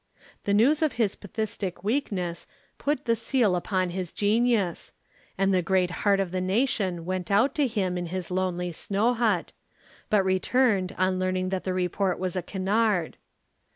The news of his phthisic weakness put the seal upon his genius, and the great heart of the nation went out to him in his lonely snow hut, but returned on learning that the report was a canard.